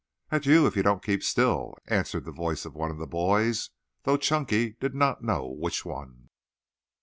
"At you, if you don't keep still," answered the voice of one of the boys, though Chunky did not know which one.